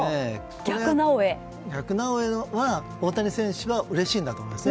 逆なおエは、大谷選手はうれしいんだと思います。